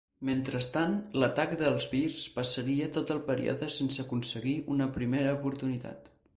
Mentrestant, l'atac dels Bears passaria tot el període sense aconseguir una primera oportunitat.